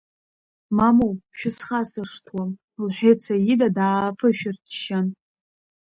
Мамоу, шәысхасыршҭуам, — лҳәеит Саида дааԥышәырччан.